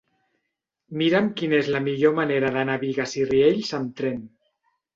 Mira'm quina és la millor manera d'anar a Bigues i Riells amb tren.